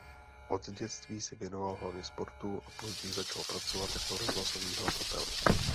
Od dětství se věnoval hlavně sportu a později začal pracovat jako rozhlasový hlasatel.